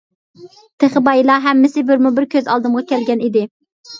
تېخى بايىلا ھەممىسى بىرمۇ بىر كۆز ئالدىغا كەلگەن ئىدى.